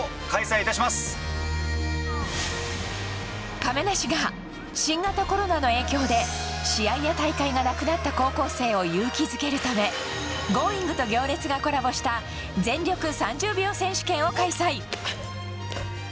亀梨が新型コロナの影響で試合や大会がなくなった高校生を勇気づけるため「Ｇｏｉｎｇ！」と「行列」がコラボした全力３０秒選手権を開催。